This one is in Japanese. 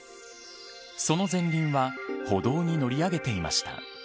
その前輪は歩道に乗り上げていました。